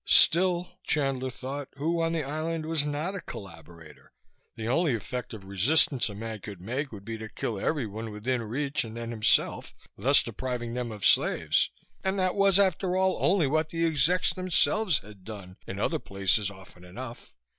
Still, Chandler thought, who on the island was not a collaborator? The only effective resistance a man could make would be to kill everyone within reach and then himself, thus depriving them of slaves and that was, after all, only what the execs themselves had done in other places often enough.